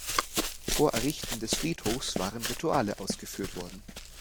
Vor Errichten des Friedhofs waren Rituale ausgeführt worden.